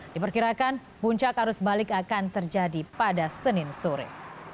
diperkirakan puncak arus balik akan terjadi pada senin sore